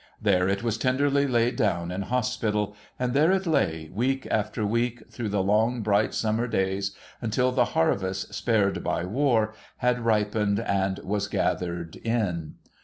There it was tenderly laid down in hospital ; and there it lay, week after week, through the long, bright summer days, until the harvest, spared by war, had ripened and was gathered in.